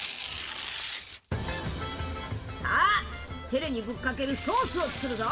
さあチェレにぶっかけるソースを作るぞ！